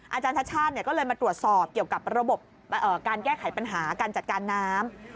อาจารย์ชาติชาติก็เลยมาตรวจสอบเกี่ยวกับระบบการแก้ไขปัญหาการจัดการน้ำ